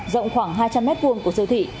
rộng khoảng hai trăm linh m hai của siêu thị